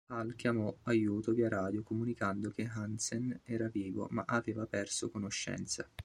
Hall chiamò aiuto via radio comunicando che Hansen era vivo ma aveva perso conoscenza.